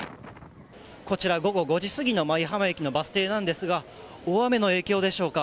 午後５時過ぎの舞浜駅のバス停なんですが大雨の影響でしょうか。